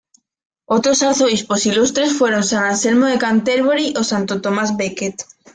Otros arzobispos ilustres fueron san Anselmo de Canterbury o santo Tomás Becket.